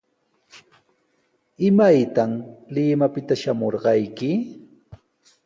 ¿Imaytaq Limapita shamurqayki?